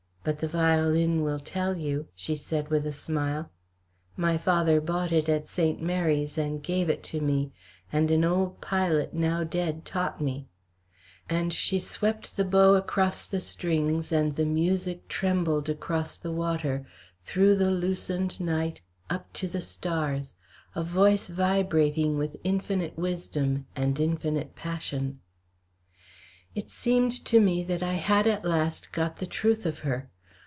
But the violin will tell you," she said, with a smile. "My father bought it at St. Mary's and gave it to me, and an old pilot now dead taught me;" and she swept the bow across the strings and the music trembled across the water, through the lucent night, up to the stars, a voice vibrating with infinite wisdom and infinite passion. It seemed to me that I had at last got the truth of her.